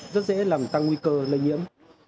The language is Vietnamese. rất dễ làm tăng nguy cơ lây nhiễm